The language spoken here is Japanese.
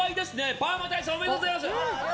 パーマ大佐おめでとうございます。